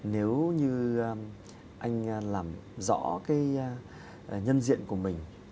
nếu như anh làm rõ cái nhân diện của mình